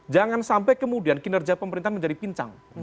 jangan sampai kemudian kinerja pemerintahan menjadi pincang